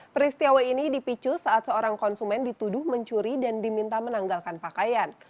peristiwa ini dipicu saat seorang konsumen dituduh mencuri dan diminta menanggalkan pakaian